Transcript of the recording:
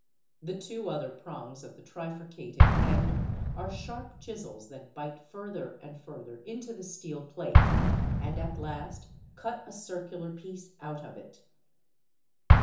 The two other prongs of the trifurcated end are sharp chisels that bite further and further into the steel plate and at last cut a circular piece out of it.